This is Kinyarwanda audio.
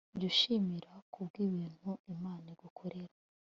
jya ushimira ku bw ibintui imana igukorera